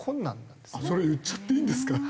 それ言っちゃっていいんですか？